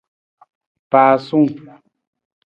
Pasung.